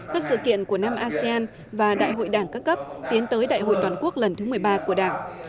các sự kiện của năm asean và đại hội đảng các cấp tiến tới đại hội toàn quốc lần thứ một mươi ba của đảng